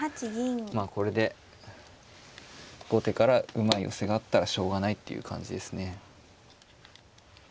まあこれで後手からうまい寄せがあったらしょうがないっていう感じですね。